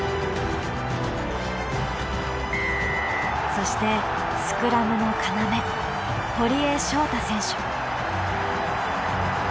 そしてスクラムの要堀江翔太選手。